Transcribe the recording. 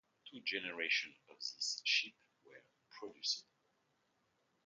Two generations of this chip were produced.